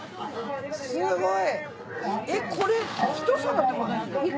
すごい！これ１皿ってこと１個？